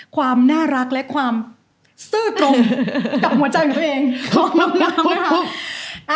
ความน่ารักและความซื่อตรงกับหัวใจของตัวเองของน้ำน้ำนะคะ